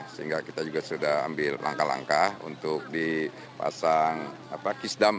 sehingga kita juga sudah ambil langkah langkah untuk dipasang kisdam